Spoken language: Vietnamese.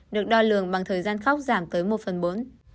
được đo lường bằng thời gian khóc giảm tới một phần bốn